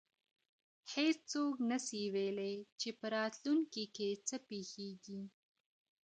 هیڅ څوک نسي ویلی چي په راتلونکي کي څه پیښیږي.